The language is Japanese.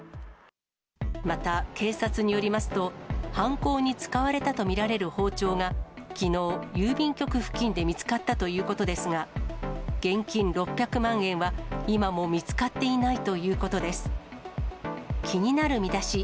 また警察によりますと、犯行に使われたと見られる包丁がきのう郵便局付近で見つかったということですが、現金６００万円は今も見つかっていないということです。